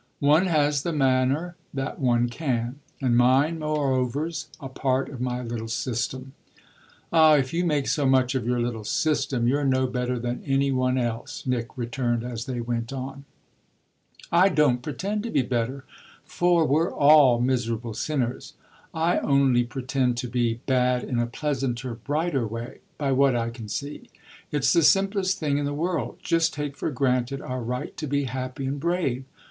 "One has the manner that one can, and mine moreover's a part of my little system." "Ah if you make so much of your little system you're no better than any one else," Nick returned as they went on. "I don't pretend to be better, for we're all miserable sinners; I only pretend to be bad in a pleasanter, brighter way by what I can see. It's the simplest thing in the world; just take for granted our right to be happy and brave.